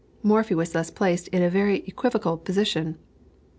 Morphy was thus placed in a very equivocal position.